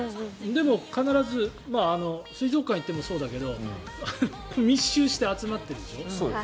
でも必ず水族館に行ってもそうだけど密集して集まっているでしょ。